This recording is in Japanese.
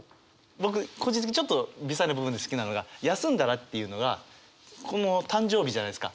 僕個人的にちょっと微細な部分で好きなのが「休んだら」っていうのがこの誕生日じゃないですか。